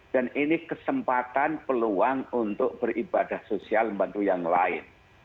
dan ini kesempatan peluang untuk beribadah sosial membantu yang lain